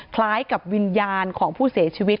คล้ายกับวิญญาณของผู้เสียชีวิต